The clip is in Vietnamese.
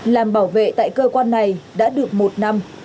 làm bảo vệ tại cơ quan này đã được một năm